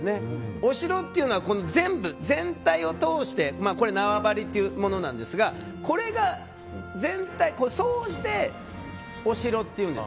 お城というのは全部、全体を通してこれが縄張りというものですがこれを総じてお城というんです。